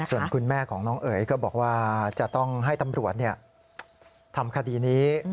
ส่วนคุณแม่ของน้องเอ๋ยก็บอกว่าจะต้องให้ตำรวจทำคดีนี้